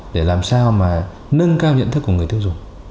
để làm sao mà nâng cao nhận thức của người tiêu dùng